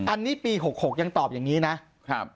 อันนี้ปี๖๖ยังตอบอย่างนี้นะครับ